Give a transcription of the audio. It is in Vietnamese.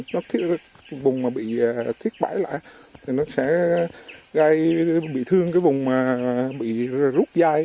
nó thiết bẫy lại thì nó sẽ gây bị thương cái vùng mà bị rút dây